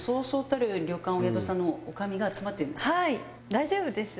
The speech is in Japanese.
大丈夫です。